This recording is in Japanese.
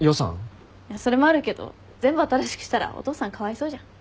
それもあるけど全部新しくしたらお父さんかわいそうじゃん。